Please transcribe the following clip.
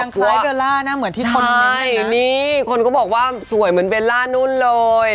คุณก็บอกว่าสวยเหมือนเวลานู้นเลย